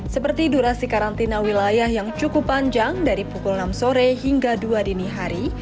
seperti durasi karantina wilayah yang cukup panjang dari pukul enam sore hingga dua dini hari